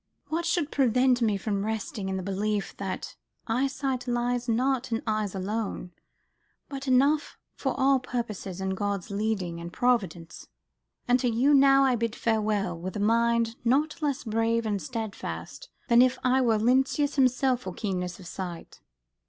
What should prevent me from resting in the belief that eyesight lies not in eyes alone, but enough for all purposes in God's leading and providence? And to you now I bid farewell, with a mind not less brave and steadfast than if I were Lynceus himself for keenness of sight."